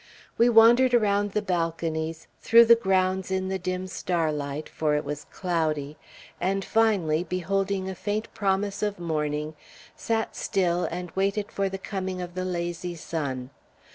We wandered around the balconies, through the grounds in the dim starlight (for it was cloudy), and finally, beholding a faint promise of morning, sat still and waited for the coming of the lazy sun.